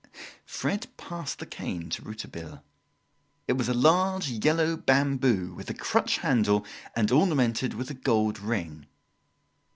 Fred passed the cane to Rouletabille. It was a large yellow bamboo with a crutch handle and ornamented with a gold ring.